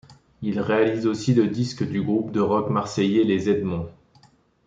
Il réalise aussi le disque du groupe de rock marseillais Les Edmonds.